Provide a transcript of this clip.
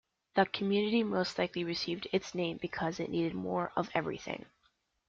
The community most likely received its name because it needed more of everything.